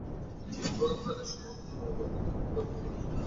ইবাদতখানায় স্বর্ণ, রঙিন মুক্তার ব্যবহার তাদের শরীয়তে বৈধ ছিল।